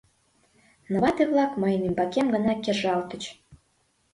Но вате-влак мыйын ӱмбакем гына кержалтыч!